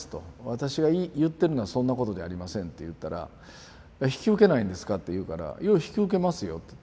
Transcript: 「私が言ってるのはそんなことじゃありません」と言ったら「引き受けないんですか？」って言うから「いや引き受けますよ」と。